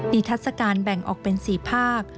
นิทรศการแบ่งออกเป็นสี่ภาค